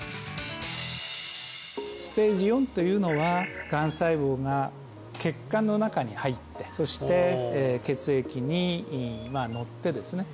ステージ４というのはがん細胞が血管の中に入ってそして血液にのってですね